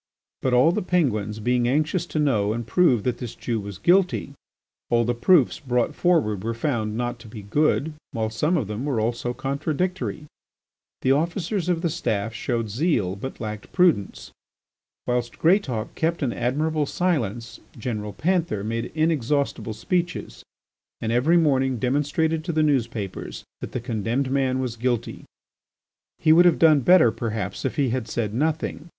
But all the Penguins being anxious to know and prove that this Jew was guilty, all the proofs brought forward were found not to be good, while some of them were also contradictory. The officers of the Staff showed zeal but lacked prudence. Whilst Greatauk kept an admirable silence, General Panther made inexhaustible speeches and every morning demonstrated in the newspapers that the condemned man was guilty. He would have done better, perhaps, if he had said nothing.